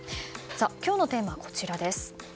今日のチームはこちらです。